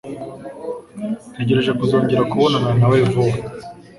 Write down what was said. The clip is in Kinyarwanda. Ntegereje kuzongera kubonana nawe vuba.